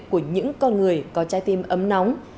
của những con người có trái tim ấm nóng